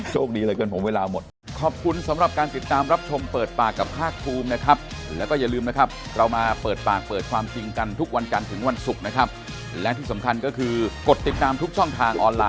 โชคดีเลยเค้าเป็นผมเวลาหมด